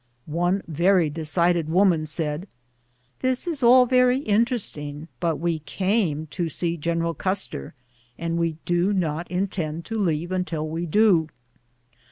One very decided woman said, " This is all very interesting, but we came to see General Custer, and we do not intend to leave until we do."